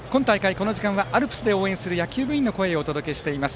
この時間はアルプスで応援する野球部員の声をお届けしています。